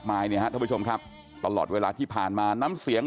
หนุ่มครานโถงโหยให้ก็แกล้ง